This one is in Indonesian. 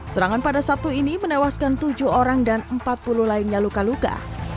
serangan pada sabtu ini menewaskan tujuh orang dan empat puluh lainnya luka luka